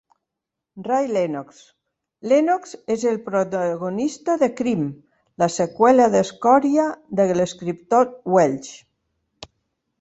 Ray Lennox - Lennox és el protagonista de "Crim", la seqüela d'"Escòria" de l'escriptor Welsh.